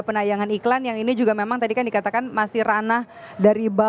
penayangan iklan yang ini juga memang tadi kan dikatakan masih ranah dari bank